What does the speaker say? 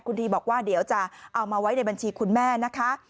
คุณทีบอกว่าเดี๋ยวจะเอามาไว้ในบัญชีคุณแม่นะคะ